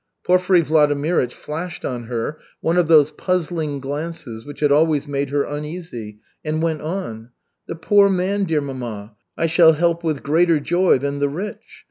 Porfiry Vladimirych flashed on her one of those puzzling glances which had always made her uneasy, and went on: "The poor man, dear mamma, I shall help with greater joy than the rich.